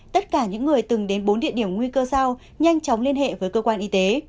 tất cả những người từng đến bốn địa điểm nguy cơ sau nhanh chóng liên hệ với cơ quan y tế